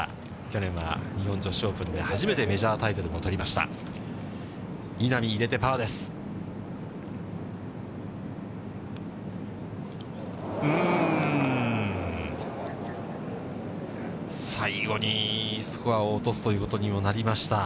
去年は日本女子オープンで、初めてメジャータイトルも取りました。